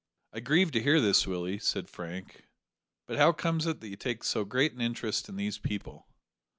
"I grieve to hear this, Willie," said Frank, "but how comes it that you take so great an interest in these people?"